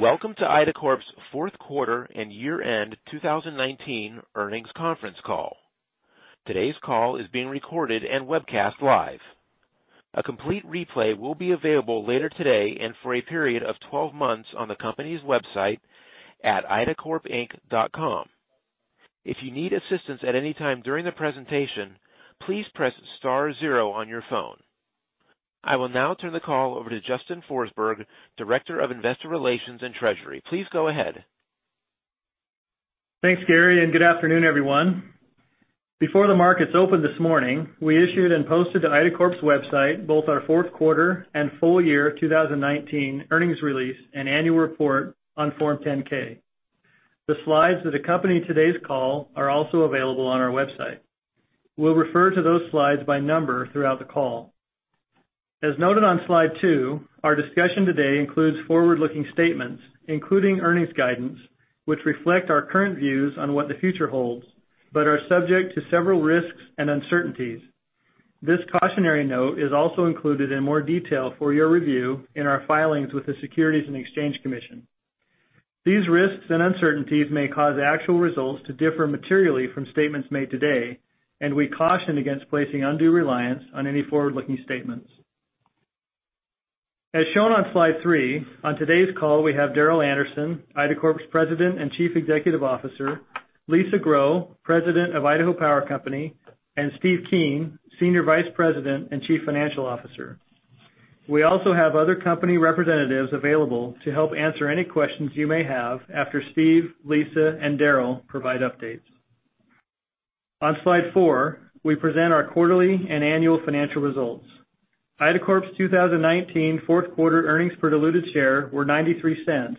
Welcome to Idacorp's fourth quarter and year-end 2019 earnings conference call. Today's call is being recorded and webcast live. A complete replay will be available later today and for a period of 12 months on the company's website at idacorpinc.com. If you need assistance at any time during the presentation, please press star zero on your phone. I will now turn the call over to Justin Forsberg, Director of Investor Relations and Treasury. Please go ahead. Thanks, Gary, good afternoon, everyone. Before the markets opened this morning, we issued and posted to Idacorp's website both our fourth quarter and full year 2019 earnings release and annual report on Form 10-K. The slides that accompany today's call are also available on our website. We'll refer to those slides by number throughout the call. As noted on slide two, our discussion today includes forward-looking statements, including earnings guidance, which reflect our current views on what the future holds but are subject to several risks and uncertainties. This cautionary note is also included in more detail for your review in our filings with the Securities and Exchange Commission. These risks and uncertainties may cause actual results to differ materially from statements made today, and we caution against placing undue reliance on any forward-looking statements. As shown on slide three, on today's call we have Darrel Anderson, Idacorp's President and Chief Executive Officer, Lisa Grow, President of Idaho Power Company, and Steve Keen, Senior Vice President and Chief Financial Officer. We also have other company representatives available to help answer any questions you may have after Steve, Lisa, and Darrel provide updates. On slide four, we present our quarterly and annual financial results. Idacorp's 2019 fourth quarter earnings per diluted share were $0.93,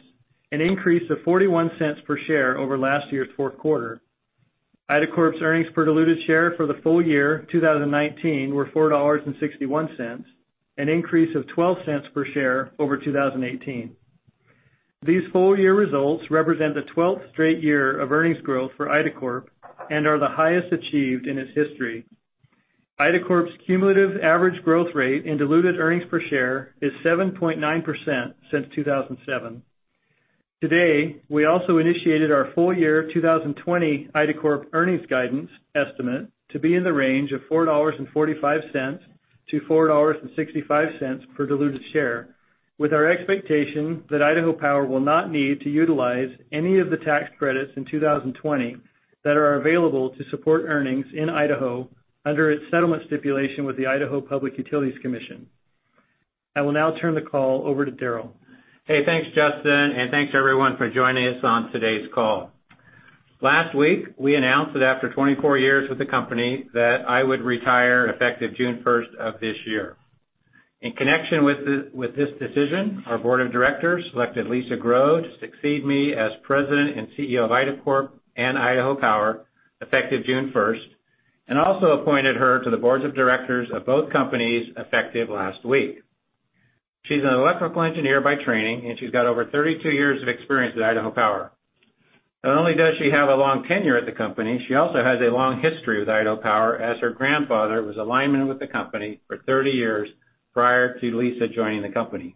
an increase of $0.41 per share over last year's fourth quarter. Idacorp's earnings per diluted share for the full year 2019 were $4.61, an increase of $0.12 per share over 2018. These full-year results represent the 12th straight year of earnings growth for Idacorp and are the highest achieved in its history. Idacorp's cumulative average growth rate in diluted earnings per share is 7.9% since 2007. Today, we also initiated our full year 2020 Idacorp earnings guidance estimate to be in the range of $4.45-$4.65 per diluted share, with our expectation that Idaho Power will not need to utilize any of the tax credits in 2020 that are available to support earnings in Idaho under its settlement stipulation with the Idaho Public Utilities Commission. I will now turn the call over to Darrel. Thanks, Justin, and thanks to everyone for joining us on today's call. Last week, we announced that after 24 years with the company that I would retire effective June 1st of this year. In connection with this decision, our board of directors selected Lisa Grow to succeed me as President and CEO of Idacorp and Idaho Power effective June 1st, and also appointed her to the boards of directors of both companies effective last week. She is an electrical engineer by training, and she has got over 32 years of experience at Idaho Power. Not only does she have a long tenure at the company, she also has a long history with Idaho Power, as her grandfather was a lineman with the company for 30 years prior to Lisa joining the company.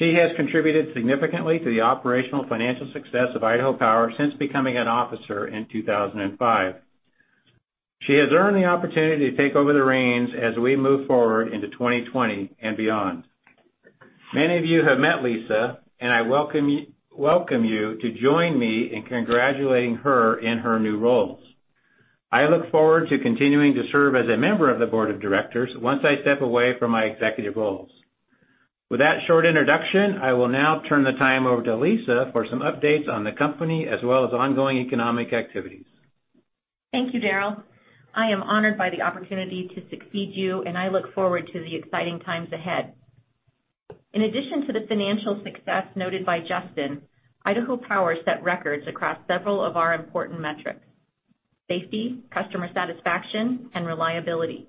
She has contributed significantly to the operational financial success of Idaho Power since becoming an officer in 2005. She has earned the opportunity to take over the reins as we move forward into 2020 and beyond. Many of you have met Lisa, and I welcome you to join me in congratulating her in her new roles. I look forward to continuing to serve as a member of the board of directors once I step away from my executive roles. With that short introduction, I will now turn the time over to Lisa for some updates on the company as well as ongoing economic activities. Thank you, Darrel. I am honored by the opportunity to succeed you, and I look forward to the exciting times ahead. In addition to the financial success noted by Justin, Idaho Power set records across several of our important metrics. Safety, customer satisfaction, and reliability.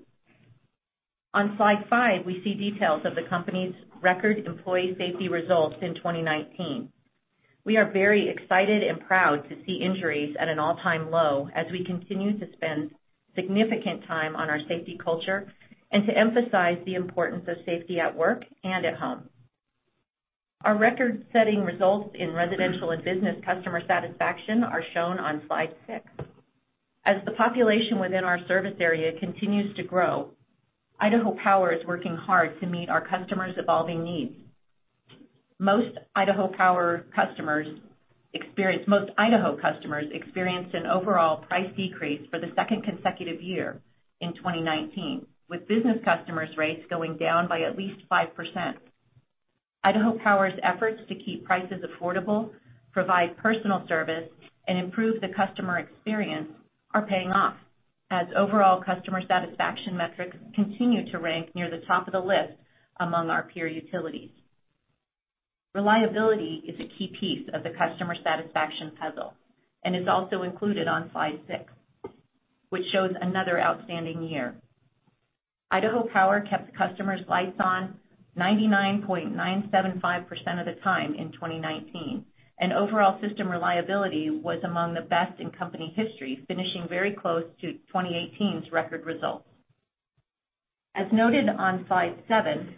On slide five, we see details of the company's record employee safety results in 2019. We are very excited and proud to see injuries at an all-time low as we continue to spend significant time on our safety culture and to emphasize the importance of safety at work and at home. Our record-setting results in residential and business customer satisfaction are shown on slide six. As the population within our service area continues to grow, Idaho Power is working hard to meet our customers' evolving needs. Most Idaho customers experienced an overall price decrease for the second consecutive year in 2019, with business customers rates going down by at least 5%. Idaho Power's efforts to keep prices affordable, provide personal service, and improve the customer experience are paying off as overall customer satisfaction metrics continue to rank near the top of the list among our peer utilities. Reliability is a key piece of the customer satisfaction puzzle and is also included on slide six, which shows another outstanding year. Idaho Power kept customers' lights on 99.975% of the time in 2019, and overall system reliability was among the best in company history, finishing very close to 2018's record results. As noted on slide seven,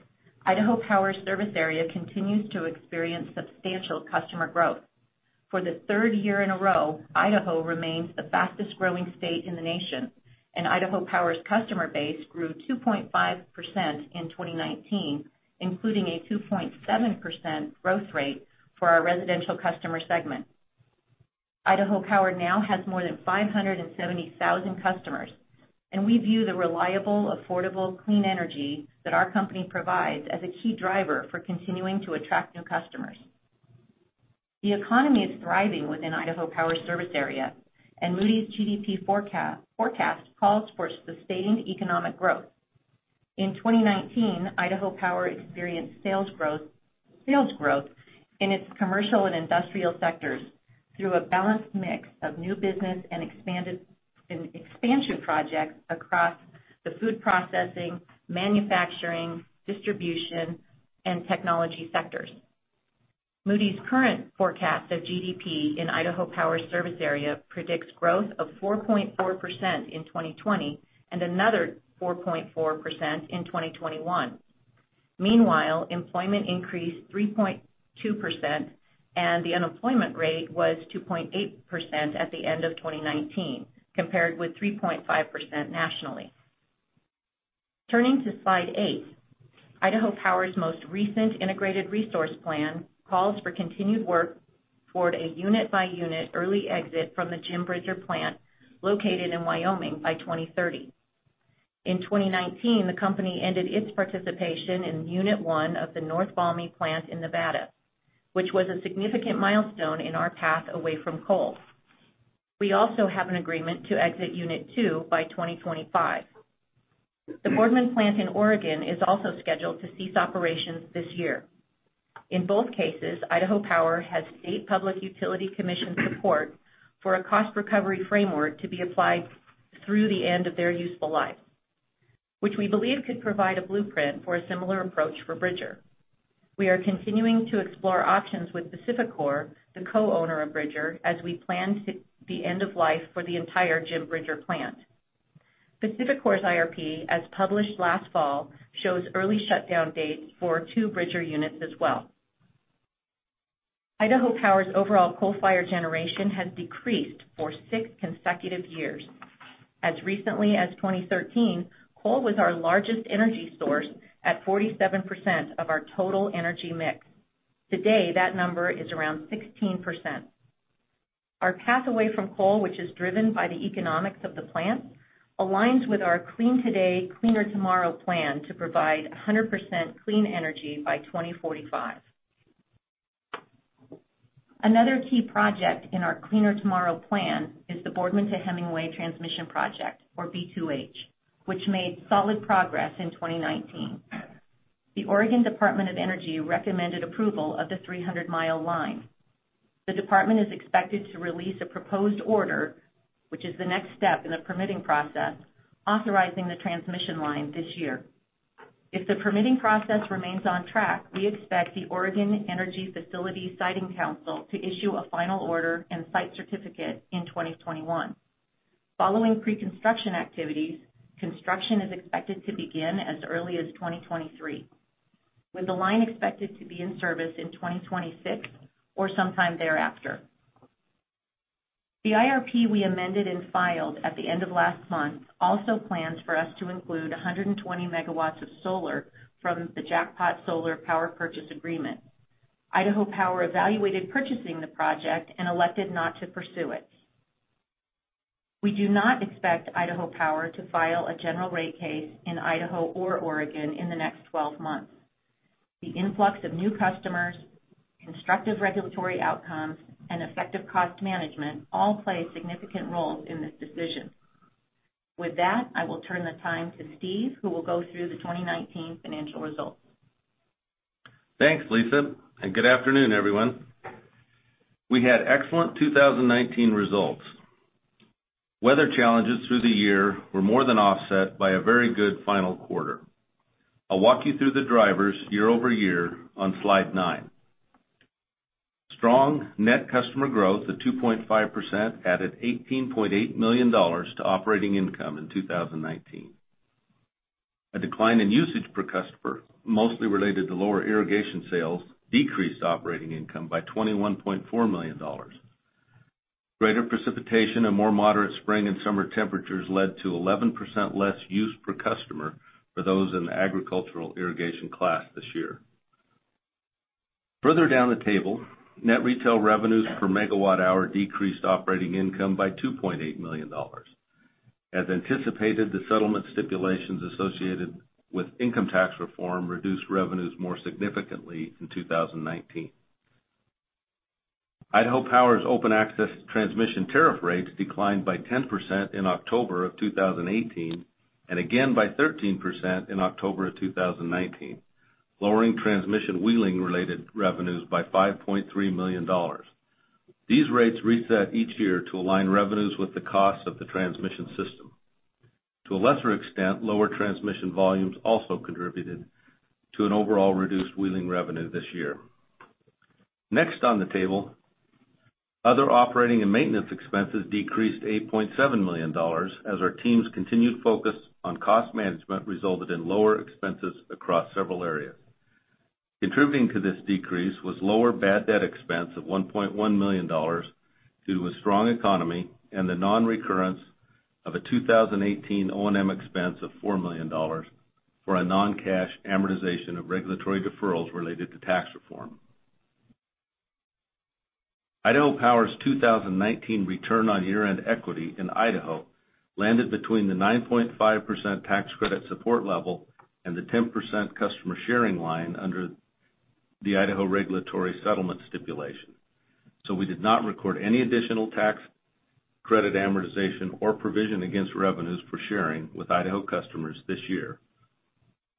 Idaho Power service area continues to experience substantial customer growth. For the third year in a row, Idaho remains the fastest-growing state in the nation, and Idaho Power's customer base grew 2.5% in 2019, including a 2.7% growth rate for our residential customer segment. Idaho Power now has more than 570,000 customers, and we view the reliable, affordable, clean energy that our company provides as a key driver for continuing to attract new customers. The economy is thriving within Idaho Power service area, and Moody's GDP Forecast calls for sustaining economic growth. In 2019, Idaho Power experienced sales growth in its commercial and industrial sectors through a balanced mix of new business and expansion projects across the food processing, manufacturing, distribution, and technology sectors. Moody's current forecast of GDP in Idaho Power service area predicts growth of 4.4% in 2020 and another 4.4% in 2021. Meanwhile, employment increased 3.2% and the unemployment rate was 2.8% at the end of 2019, compared with 3.5% nationally. Turning to slide eight, Idaho Power's most recent IRP calls for continued work toward a unit-by-unit early exit from the Jim Bridger Plant located in Wyoming by 2030. In 2019, the company ended its participation in Unit 1 of the North Valmy Plant in Nevada, which was a significant milestone in our path away from coal. We also have an agreement to exit Unit 2 by 2025. The Boardman Plant in Oregon is also scheduled to cease operations this year. In both cases, Idaho Power has state Public Utility Commission support for a cost recovery framework to be applied through the end of their useful life, which we believe could provide a blueprint for a similar approach for Bridger. We are continuing to explore options with PacifiCorp, the co-owner of Bridger, as we plan the end of life for the entire Jim Bridger plant. PacifiCorp's IRP, as published last fall, shows early shutdown dates for two Bridger units as well. Idaho Power's overall coal-fired generation has decreased for six consecutive years. As recently as 2013, coal was our largest energy source at 47% of our total energy mix. Today, that number is around 16%. Our path away from coal, which is driven by the economics of the plant, aligns with our Clean Today, Cleaner Tomorrow plan to provide 100% clean energy by 2045. Another key project in our Cleaner Tomorrow plan is the Boardman to Hemingway Transmission Project, or B2H, which made solid progress in 2019. The Oregon Department of Energy recommended approval of the 300-mile line. The department is expected to release a proposed order, which is the next step in the permitting process, authorizing the transmission line this year. If the permitting process remains on track, we expect the Oregon Energy Facility Siting Council to issue a final order and site certificate in 2021. Following pre-construction activities, construction is expected to begin as early as 2023, with the line expected to be in service in 2026 or sometime thereafter. The IRP we amended and filed at the end of last month also plans for us to include 120 MW of solar from the Jackpot Solar Power Purchase Agreement. Idaho Power evaluated purchasing the project and elected not to pursue it. We do not expect Idaho Power to file a general rate case in Idaho or Oregon in the next 12 months. The influx of new customers, constructive regulatory outcomes, and effective cost management all play significant roles in this decision. With that, I will turn the time to Steve, who will go through the 2019 financial results. Thanks, Lisa, and good afternoon, everyone. We had excellent 2019 results. Weather challenges through the year were more than offset by a very good final quarter. I'll walk you through the drivers year-over-year on slide nine. Strong net customer growth of 2.5% added $18.8 million to operating income in 2019. A decline in usage per customer, mostly related to lower irrigation sales, decreased operating income by $21.4 million. Greater precipitation and more moderate spring and summer temperatures led to 11% less use per customer for those in the agricultural irrigation class this year. Further down the table, net retail revenues per megawatt hour decreased operating income by $2.8 million. As anticipated, the settlement stipulations associated with income tax reform reduced revenues more significantly in 2019. Idaho Power's open access transmission tariff rates declined by 10% in October of 2018 and again by 13% in October of 2019, lowering transmission wheeling-related revenues by $5.3 million. These rates reset each year to align revenues with the cost of the transmission system. To a lesser extent, lower transmission volumes also contributed to an overall reduced wheeling revenue this year. Next on the table, other operating and maintenance expenses decreased $8.7 million as our team's continued focus on cost management resulted in lower expenses across several areas. Contributing to this decrease was lower bad debt expense of $1.1 million due to a strong economy and the non-recurrence of a 2018 O&M expense of $4 million for a non-cash amortization of regulatory deferrals related to tax reform. Idaho Power's 2019 return on year-end equity in Idaho landed between the 9.5% tax credit support level and the 10% customer sharing line under the Idaho regulatory settlement stipulation. We did not record any additional tax credit amortization or provision against revenues for sharing with Idaho customers this year.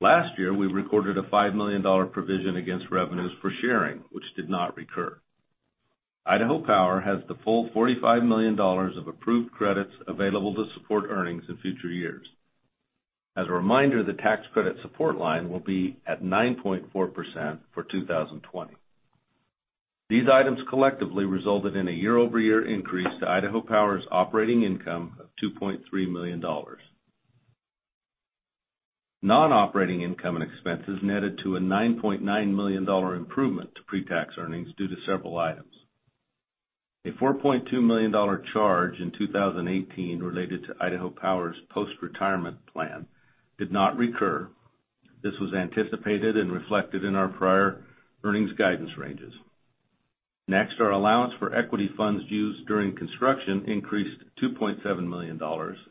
Last year, we recorded a $5 million provision against revenues for sharing, which did not recur. Idaho Power has the full $45 million of approved credits available to support earnings in future years. As a reminder, the tax credit support line will be at 9.4% for 2020. These items collectively resulted in a year-over-year increase to Idaho Power's operating income of $2.3 million. Non-operating income and expenses netted to a $9.9 million improvement to pre-tax earnings due to several items. A $4.2 million charge in 2018 related to Idaho Power's post-retirement plan did not recur. This was anticipated and reflected in our prior earnings guidance ranges. Next, our allowance for equity funds used during construction increased $2.7 million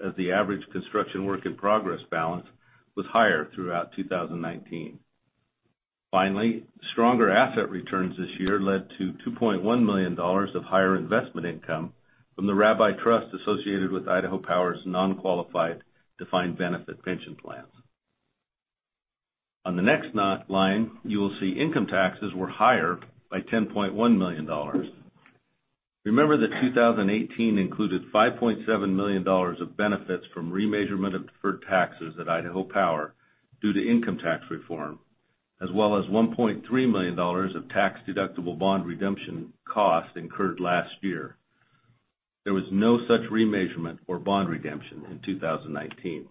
as the average construction work in progress balance was higher throughout 2019. Finally, stronger asset returns this year led to $2.1 million of higher investment income from the Rabbi Trust associated with Idaho Power's non-qualified defined benefit pension plans. On the next line, you will see income taxes were higher by $10.1 million. Remember that 2018 included $5.7 million of benefits from remeasurement of deferred taxes at Idaho Power due to income tax reform, as well as $1.3 million of tax-deductible bond redemption costs incurred last year. There was no such remeasurement or bond redemption in 2019.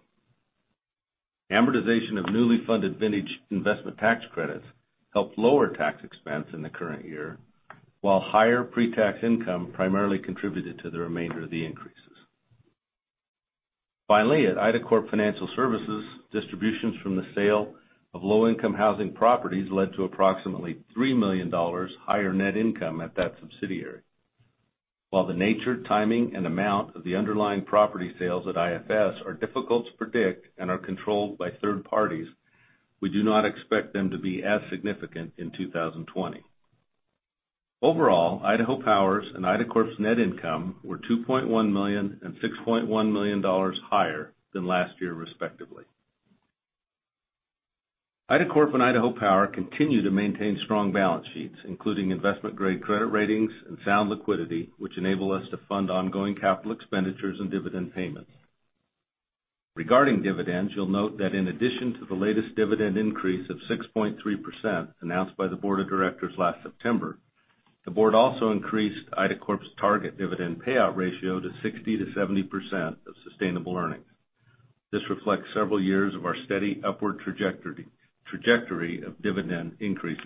Amortization of newly funded vintage investment tax credits helped lower tax expense in the current year, while higher pre-tax income primarily contributed to the remainder of the increases. Finally, at Idacorp Financial Services, distributions from the sale of low-income housing properties led to approximately $3 million higher net income at that subsidiary. While the nature, timing, and amount of the underlying property sales at IFS are difficult to predict and are controlled by third parties, we do not expect them to be as significant in 2020. Overall, Idaho Power's and Idacorp's net income were $2.1 million and $6.1 million higher than last year, respectively. Idacorp and Idaho Power continue to maintain strong balance sheets, including investment-grade credit ratings and sound liquidity, which enable us to fund ongoing capital expenditures and dividend payments. Regarding dividends, you'll note that in addition to the latest dividend increase of 6.3% announced by the board of directors last September, the board also increased Idacorp's target dividend payout ratio to 60%-70% of sustainable earnings. This reflects several years of our steady upward trajectory of dividend increases.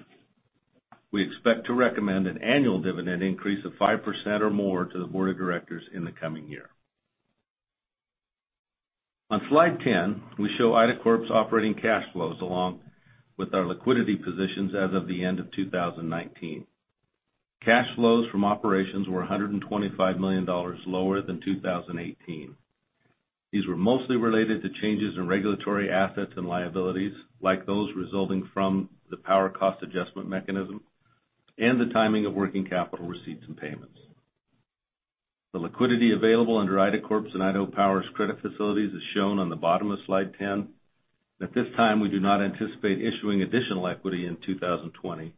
We expect to recommend an annual dividend increase of 5% or more to the board of directors in the coming year. On slide 10, we show Idacorp's operating cash flows along with our liquidity positions as of the end of 2019. Cash flows from operations were $125 million lower than 2018. These were mostly related to changes in regulatory assets and liabilities, like those resulting from the Power Cost Adjustment mechanism and the timing of working capital receipts and payments. The liquidity available under Idacorp's and Idaho Power's credit facilities is shown on the bottom of slide 10. At this time, we do not anticipate issuing additional equity in 2020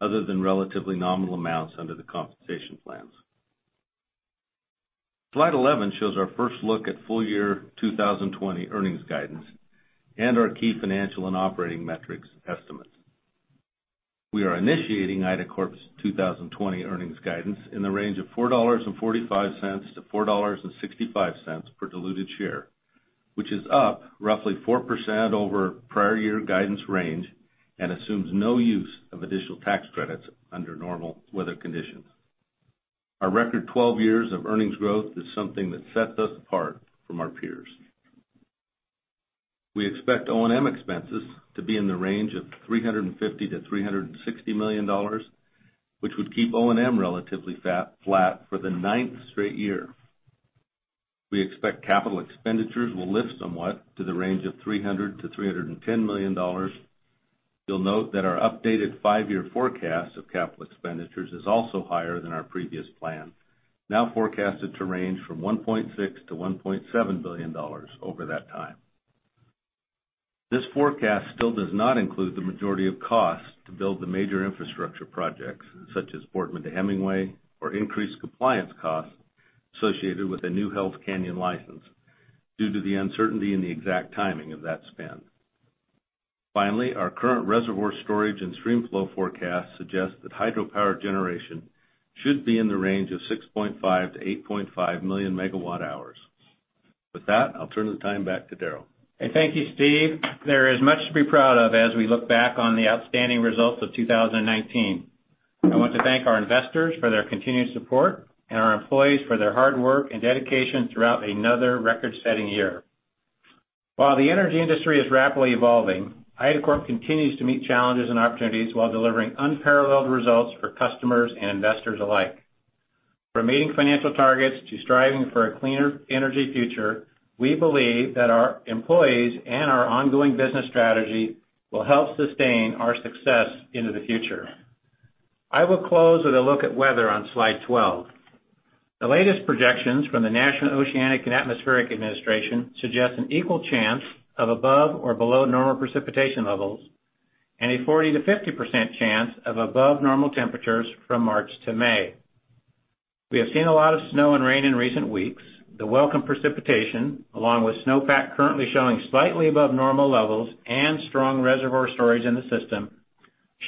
other than relatively nominal amounts under the compensation plans. Slide 11 shows our first look at full year 2020 earnings guidance and our key financial and operating metrics estimates. We are initiating Idacorp's 2020 earnings guidance in the range of $4.45-$4.65 per diluted share, which is up roughly 4% over prior year guidance range and assumes no use of additional tax credits under normal weather conditions. Our record 12 years of earnings growth is something that sets us apart from our peers. We expect O&M expenses to be in the range of $350 million to $360 million, which would keep O&M relatively flat for the ninth straight year. We expect capital expenditures will lift somewhat to the range of $300 million to $310 million. You'll note that our updated five-year forecast of capital expenditures is also higher than our previous plan, now forecasted to range from $1.6 billion to $1.7 billion over that time. This forecast still does not include the majority of costs to build the major infrastructure projects, such as Boardman to Hemingway, or increased compliance costs associated with a new Hells Canyon license due to the uncertainty in the exact timing of that spend. Finally, our current reservoir storage and stream flow forecast suggests that hydropower generation should be in the range of 6.5 million MWh-8.5 million MWh. With that, I'll turn the time back to Darrel. Thank you, Steve. There is much to be proud of as we look back on the outstanding results of 2019. I want to thank our investors for their continued support and our employees for their hard work and dedication throughout another record-setting year. While the energy industry is rapidly evolving, Idacorp continues to meet challenges and opportunities while delivering unparalleled results for customers and investors alike. From meeting financial targets to striving for a cleaner energy future, we believe that our employees and our ongoing business strategy will help sustain our success into the future. I will close with a look at weather on slide 12. The latest projections from the National Oceanic and Atmospheric Administration suggest an equal chance of above or below normal precipitation levels and a 40%-50% chance of above normal temperatures from March to May. We have seen a lot of snow and rain in recent weeks. The welcome precipitation, along with snowpack currently showing slightly above normal levels and strong reservoir storage in the system,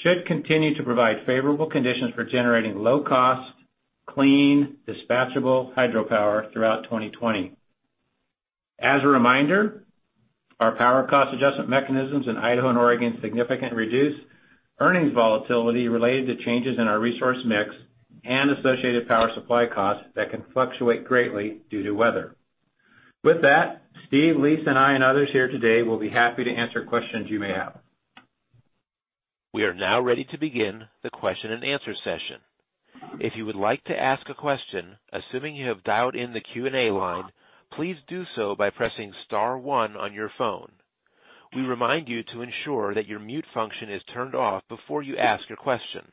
should continue to provide favorable conditions for generating low-cost, clean, dispatchable hydropower throughout 2020. As a reminder, our Power Cost Adjustment mechanisms in Idaho and Oregon significantly reduce earnings volatility related to changes in our resource mix and associated power supply costs that can fluctuate greatly due to weather. With that, Steve, Lisa, and I, and others here today will be happy to answer questions you may have. We are now ready to begin the question and answer session. If you would like to ask a question, assuming you have dialed in the Q&A line, please do so by pressing star one on your phone. We remind you to ensure that your mute function is turned off before you ask your question.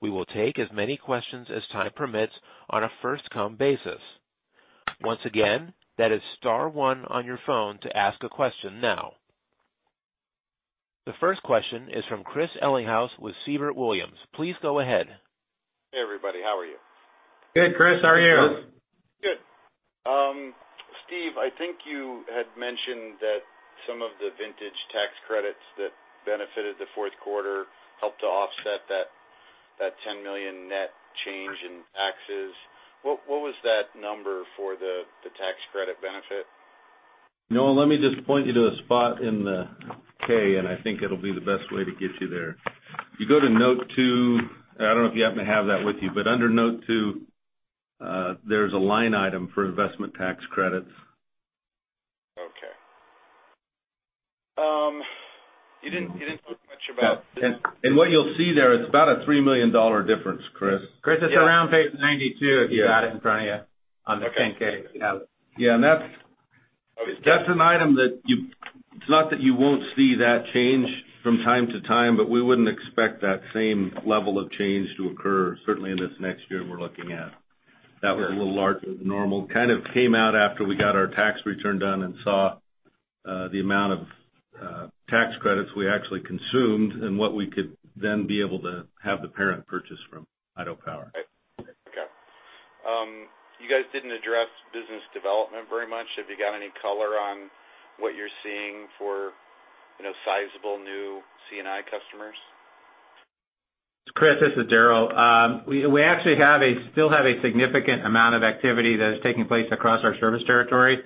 We will take as many questions as time permits on a first-come basis. Once again, that is star one on your phone to ask a question now. The first question is from Chris Ellinghaus with Siebert Williams. Please go ahead. Hey, everybody. How are you? Good, Chris. How are you? Good. Good. Steve, I think you had mentioned that some of the vintage tax credits that benefited the fourth quarter helped to offset that $10 million net change in taxes. What was that number for the tax credit benefit? No, let me just point you to a spot in the K, and I think it'll be the best way to get you there. You go to note two. I don't know if you happen to have that with you, but under note two, there's a line item for investment tax credits. Okay. What you'll see there, it's about a $3 million difference, Chris. Chris, it's around page 92, if you've got it in front of you, on the 10-K, if you have it. Okay. Yeah, that's an item that it's not that you won't see that change from time to time, but we wouldn't expect that same level of change to occur, certainly in this next year we're looking at. That was a little larger than normal. Kind of came out after we got our tax return done and saw the amount of tax credits we actually consumed and what we could then be able to have the parent purchase from Idaho Power. Okay. You guys didn't address business development very much. Have you got any color on what you're seeing for sizable new C&I customers? Chris, this is Darrel. We actually still have a significant amount of activity that is taking place across our service territory.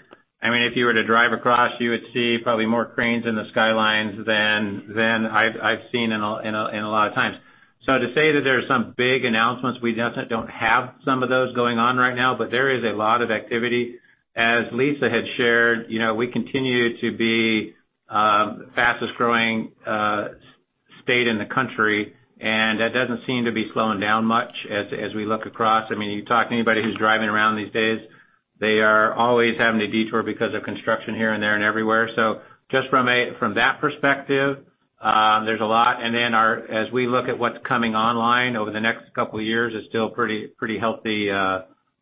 If you were to drive across, you would see probably more cranes in the skylines than I've seen in a lot of times. To say that there's some big announcements, we definitely don't have some of those going on right now, but there is a lot of activity. As Lisa had shared, we continue to be the fastest-growing state in the country, and that doesn't seem to be slowing down much as we look across. You talk to anybody who's driving around these days, they are always having to detour because of construction here and there and everywhere. Just from that perspective, there's a lot. As we look at what's coming online over the next couple of years, it's still pretty healthy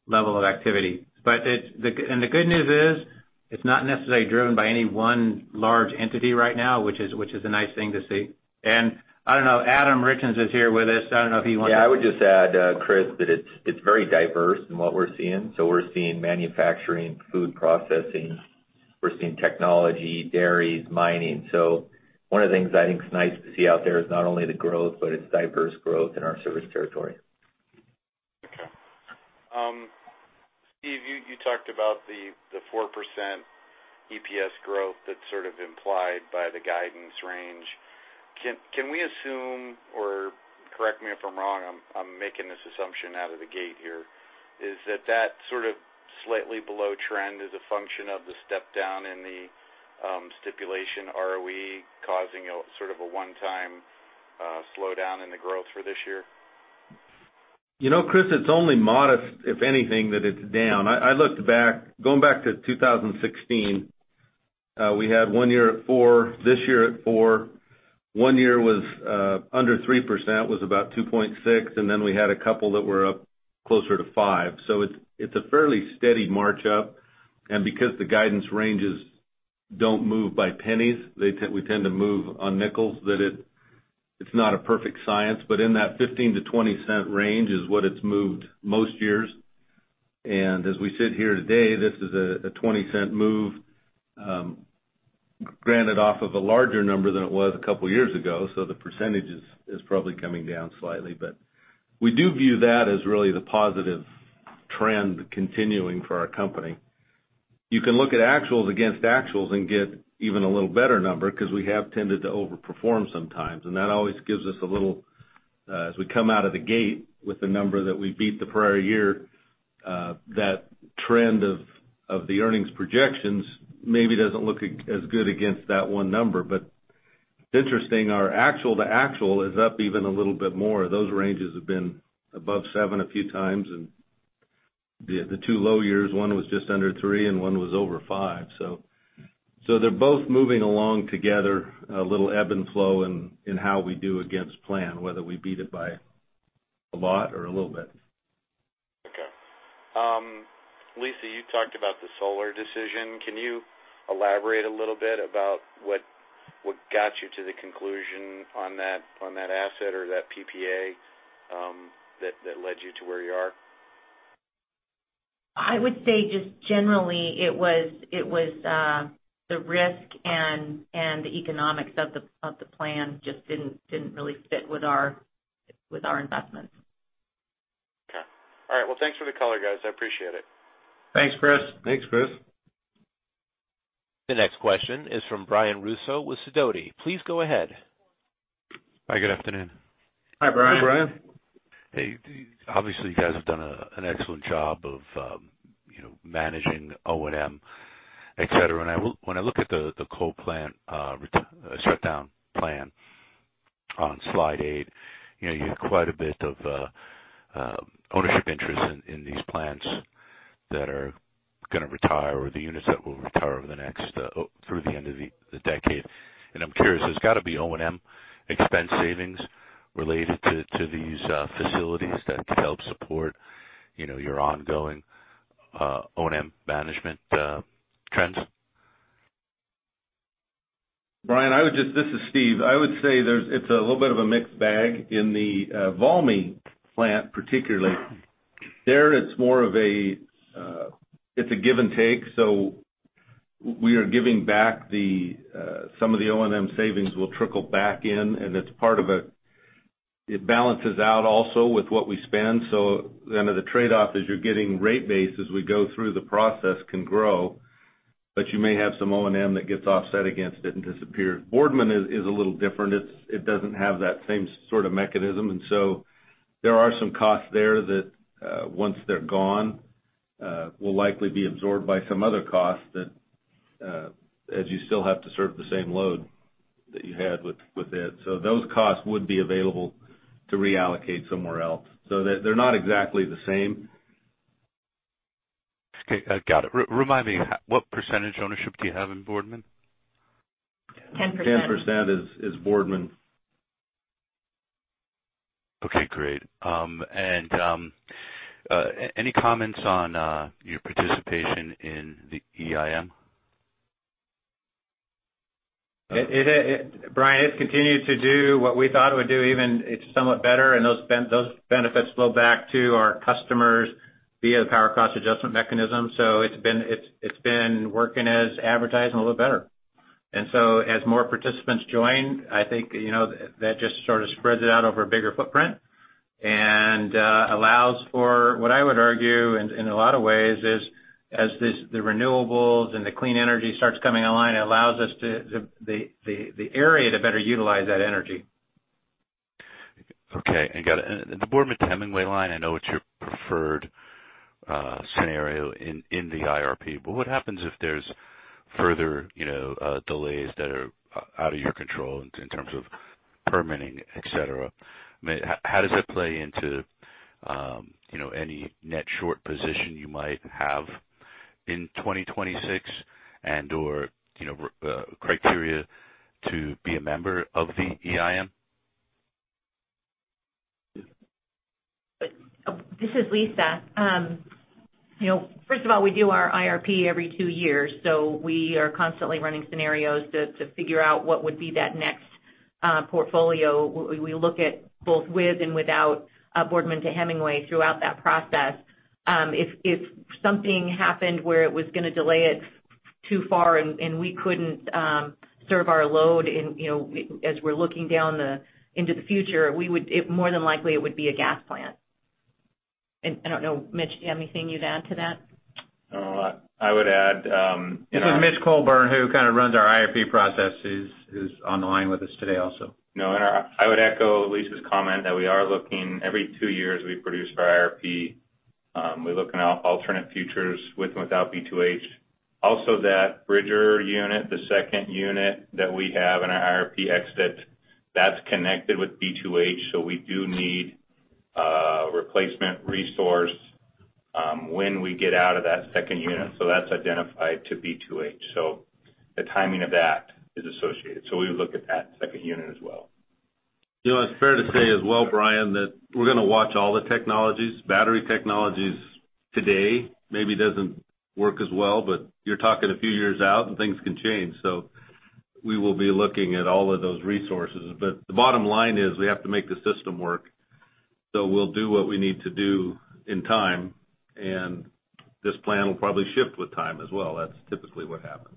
level of activity. The good news is, it's not necessarily driven by any one large entity right now, which is a nice thing to see. I don't know, Adam Richins is here with us. I don't know if he wants- Yeah, I would just add, Chris, that it's very diverse in what we're seeing. We're seeing manufacturing, food processing, we're seeing technology, dairies, mining. One of the things I think is nice to see out there is not only the growth, but it's diverse growth in our service territory. Okay. Steve, you talked about the 4% EPS growth that's sort of implied by the guidance range. Can we assume, or correct me if I'm wrong, I'm making this assumption out of the gate here, is that that sort of slightly below trend is a function of the step down in the stipulation ROE causing sort of a one-time slowdown in the growth for this year? Chris, it's only modest, if anything, that it's down. I looked back, going back to 2016, we had one year at 4%, this year at 4%. One year was under 3%, was about 2.6%, and then we had a couple that were up closer to 5. Because the guidance ranges don't move by pennies, we tend to move on nickels, that it's not a perfect science. In that $0.15-$0.20 range is what it's moved most years. As we sit here today, this is a $0.20 move, granted off of a larger number than it was a couple of years ago, so the percentage is probably coming down slightly. We do view that as really the positive trend continuing for our company. You can look at actuals against actuals and get even a little better number because we have tended to over-perform sometimes. That always gives us a little, as we come out of the gate with the number that we beat the prior year, that trend of the earnings projections maybe doesn't look as good against that one number. Interesting, our actual to actual is up even a little bit more. Those ranges have been above seven a few times, and the two low years, one was just under three and one was over five. They're both moving along together, a little ebb and flow in how we do against plan, whether we beat it by a lot or a little bit. Okay. Lisa, you talked about the solar decision. Can you elaborate a little bit about what got you to the conclusion on that asset or that PPA that led you to where you are? I would say just generally it was the risk and the economics of the plan just didn't really fit with our investments. Okay. All right. Well, thanks for the color, guys. I appreciate it. Thanks, Chris. Thanks, Chris. The next question is from Brian Russo with Sidoti. Please go ahead. Hi, good afternoon. Hi, Brian. Hi, Brian. Hey. Obviously, you guys have done an excellent job of managing O&M, et cetera. When I look at the coal plant shutdown plan on slide eight, you have quite a bit of ownership interest in these plants that are going to retire or the units that will retire through the end of the decade. I'm curious, there's got to be O&M expense savings related to these facilities that could help support your ongoing O&M management trends. Brian, this is Steve. I would say it's a little bit of a mixed bag in the Valmy plant, particularly. There it's a give and take. We are giving back. Some of the O&M savings will trickle back in, and it balances out also with what we spend. The trade-off is you're getting rate base as we go through the process can grow, but you may have some O&M that gets offset against it and disappears. Boardman is a little different. It doesn't have that same sort of mechanism, there are some costs there that once they're gone, will likely be absorbed by some other cost, as you still have to serve the same load that you had with it. Those costs would be available to reallocate somewhere else. They're not exactly the same. Okay, got it. Remind me, what percentage ownership do you have in Boardman? 10%. 10% is Boardman. Okay, great. Any comments on your participation in the EIM? Brian, it's continued to do what we thought it would do even. It's somewhat better, and those benefits flow back to our customers via the Power Cost Adjustment mechanism. It's been working as advertised and a little better. As more participants join, I think that just sort of spreads it out over a bigger footprint and allows for what I would argue in a lot of ways is as the renewables and the clean energy starts coming online, it allows the area to better utilize that energy. Okay. I got it. The Boardman to Hemingway line, I know it's your preferred scenario in the IRP, what happens if there's further delays that are out of your control in terms of permitting, et cetera? How does that play into any net short position you might have in 2026 and/or criteria to be a member of the EIM? This is Lisa. First of all, we do our IRP every two years, so we are constantly running scenarios to figure out what would be that next portfolio. We look at both with and without Boardman to Hemingway throughout that process. If something happened where it was going to delay it too far and we couldn't serve our load as we're looking down into the future, more than likely it would be a gas plant. I don't know, Mitch, you have anything you'd add to that? I would add- This is Mitch Colburn, who kind of runs our IRP process. He's on the line with us today also. No, I would echo Lisa's comment that we are looking every two years we produce our IRP. We look at alternate futures with and without B2H. Also, that Bridger unit, the second unit that we have in our IRP exit, that's connected with B2H. We do need a replacement resource when we get out of that second unit. That's identified to B2H. The timing of that is associated. We look at that second unit as well. It's fair to say as well, Brian, that we're going to watch all the technologies. Battery technologies today maybe doesn't work as well, but you're talking a few years out and things can change. We will be looking at all of those resources. The bottom line is we have to make the system work. We'll do what we need to do in time, and this plan will probably shift with time as well. That's typically what happens.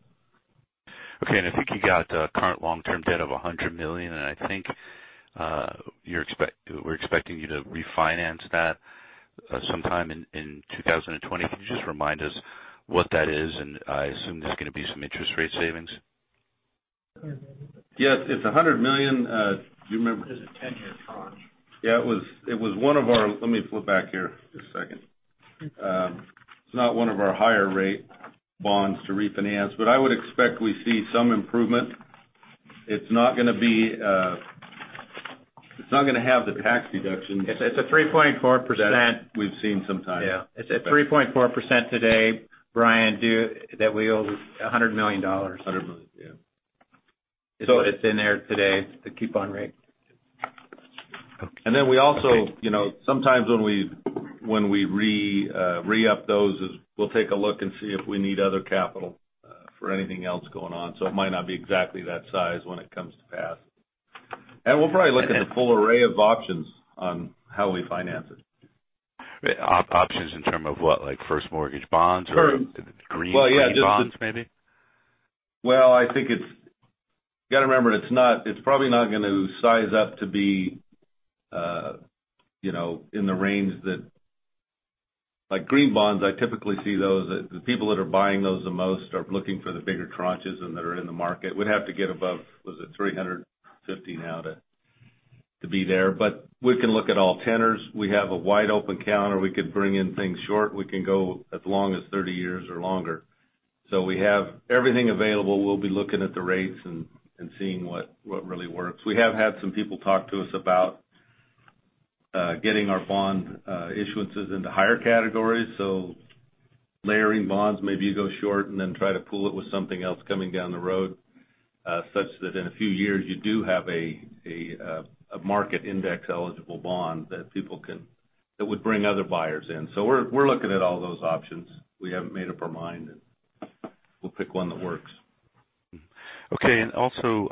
Okay. I think you got current long-term debt of $100 million, and I think we're expecting you to refinance that sometime in 2020. Can you just remind us what that is? I assume there's going to be some interest rate savings. Yes, it's $100 million. Do you remember? It's a 10-year tranche. Yeah. Let me flip back here for a second. It's not one of our higher rate bonds to refinance, but I would expect we see some improvement. It's not going to have the tax deduction. It's at 3.4%. that we've seen sometimes. Yeah. It's at 3.4% today, Brian, that we owe $100 million. $100 million, yeah. It's in there today, the coupon rate. Okay. We also, sometimes when we re-up those, we'll take a look and see if we need other capital for anything else going on. It might not be exactly that size when it comes to pass. We'll probably look at the full array of options on how we finance it. Options in term of what? Like first mortgage bonds or- Well, yeah. green bonds maybe? You got to remember, it's probably not going to size up to be in the range that. Like green bonds, I typically see those, the people that are buying those the most are looking for the bigger tranches and that are in the market. We'd have to get above, what is it, 350 now to be there. We can look at all tenors. We have a wide open counter. We could bring in things short. We can go as long as 30 years or longer. We have everything available. We'll be looking at the rates and seeing what really works. We have had some people talk to us about getting our bond issuances into higher categories, so layering bonds, maybe you go short and then try to pool it with something else coming down the road, such that in a few years you do have a market index eligible bond that would bring other buyers in. We're looking at all those options. We haven't made up our mind, and we'll pick one that works. Okay. Also,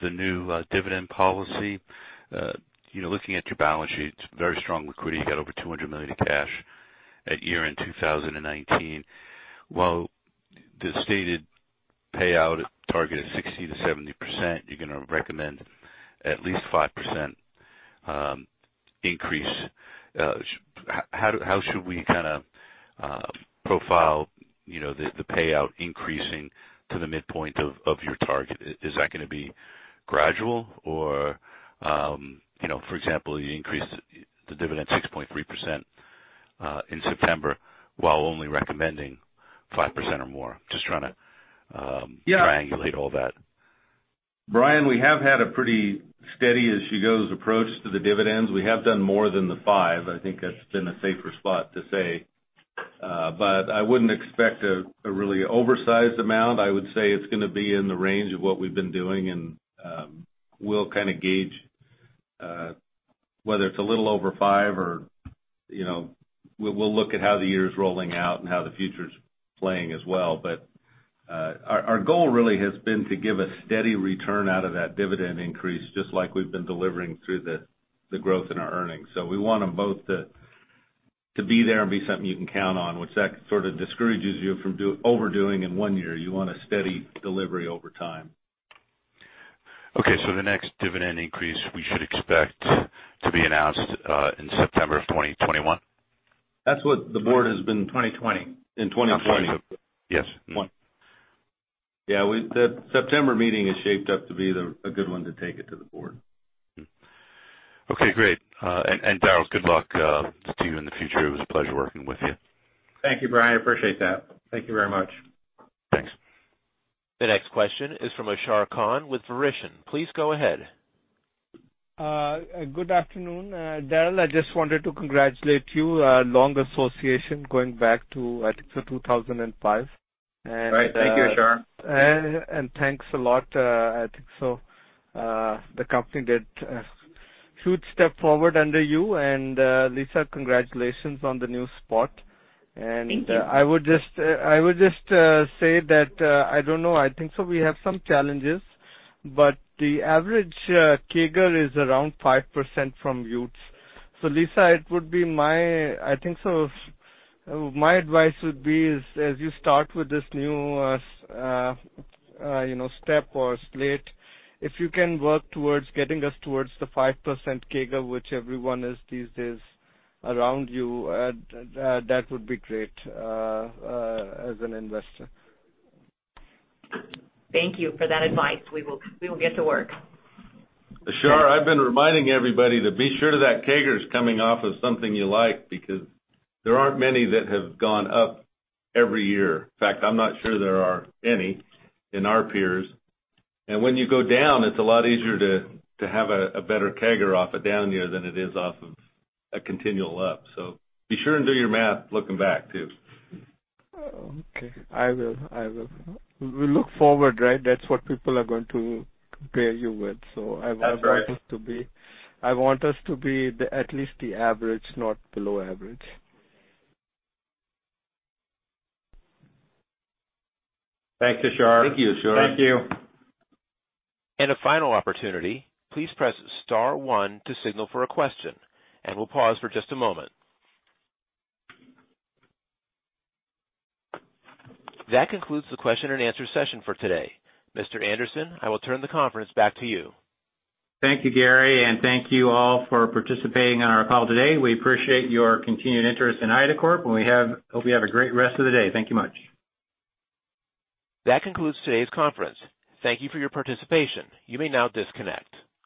the new dividend policy. Looking at your balance sheet, very strong liquidity. You got over $200 million of cash at year-end 2019. While the stated payout target is 60%-70%, you're going to recommend at least 5% increase. How should we kind of profile the payout increasing to the midpoint of your target? Is that going to be gradual? For example, you increase the dividend 6.3% in September while only recommending 5% or more. Just trying to triangulate all that. Brian, we have had a pretty steady as she goes approach to the dividends. We have done more than the five. I think that's been a safer spot to say. I wouldn't expect a really oversized amount. I would say it's going to be in the range of what we've been doing, and we'll kind of gauge whether it's a little over five, or we'll look at how the year's rolling out and how the future's playing as well. Our goal really has been to give a steady return out of that dividend increase, just like we've been delivering through the growth in our earnings. We want them both to be there and be something you can count on. Which that sort of discourages you from overdoing in one year. You want a steady delivery over time. Okay, the next dividend increase we should expect to be announced in September of 2021? That's what the board has been- 2020. In 2020. Yes. Yeah. The September meeting is shaped up to be a good one to take it to the board. Okay, great. Darrel, good luck to you in the future. It was a pleasure working with you. Thank you, Brian. Appreciate that. Thank you very much. Thanks. The next question is from Ashar Khan with Verition. Please go ahead. Good afternoon. Darrel, I just wanted to congratulate you. A long association going back to, I think so, 2005. Right. Thank you, Ashar Thanks a lot. I think the company did a huge step forward under you. Lisa, congratulations on the new spot. Thank you. I would just say that, I don't know, I think so we have some challenges, but the average CAGR is around 5% from peers. Lisa, I think so my advice would be is as you start with this new step or slate, if you can work towards getting us towards the 5% CAGR, which everyone is these days around you, that would be great, as an investor. Thank you for that advice. We will get to work. Ashar, I've been reminding everybody to be sure that CAGR is coming off of something you like because there aren't many that have gone up every year. I'm not sure there are any in our peers. When you go down, it's a lot easier to have a better CAGR off a down year than it is off of a continual up. Be sure and do your math looking back, too. Okay. I will. We look forward, right? That's what people are going to compare you with. That's right. I want us to be at least the average, not below average. Thanks, Ashar. Thank you, Ashar. Thank you. A final opportunity. Please press star one to signal for a question, and we'll pause for just a moment. That concludes the question and answer session for today. Mr. Anderson, I will turn the conference back to you. Thank you, Gary. Thank you all for participating on our call today. We appreciate your continued interest in Idacorp. We hope you have a great rest of the day. Thank you much. That concludes today's conference. Thank you for your participation. You may now disconnect.